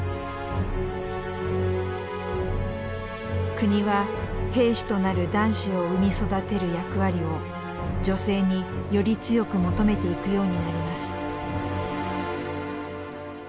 国は兵士となる男子を生み育てる役割を女性により強く求めていくようになります。